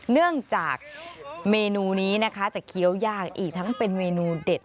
เนื่องจากเมนูนี้นะคะจะเคี้ยวย่างอีกทั้งเป็นเมนูเด็ด